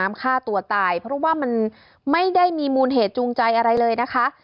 ฆ่าตัวตายเพราะว่ามันไม่ได้มีมูลเหตุจูงใจอะไรเลยนะคะ